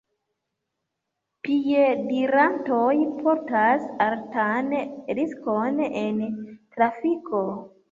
Piedirantoj portas altan riskon en trafiko.